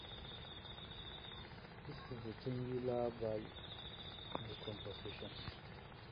This is the singular value decomposition.